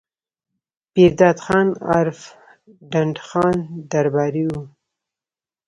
پير داد خان عرف ډنډ خان درباري وو